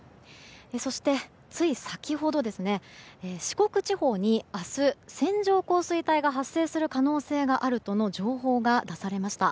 そして、つい先ほど四国地方に明日、線状降水帯が発生する可能性があるとの情報が出されました。